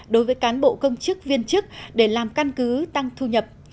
đối với cán bộ công chức viên chức để làm căn cứ tăng thu nhập